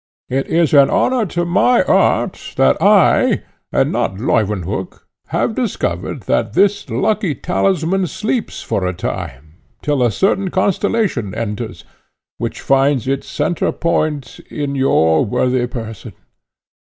It is an honour to my art that I, and not Leuwenhock, have discovered that this lucky talisman sleeps for a time till a certain constellation enters, which finds its centre point in your worthy person.